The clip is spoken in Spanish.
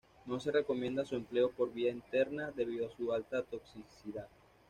No se recomienda su empleo por vía interna, debido a su alta toxicidad.